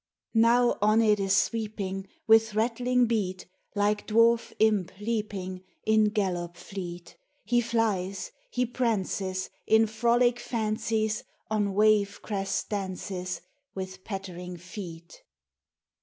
Now on 't is sweeping With rattling beat, Like dwarf imp leaping In gallop fleet : He flies, he prances, In frolic fancies, On wave crest dances With pattering feet.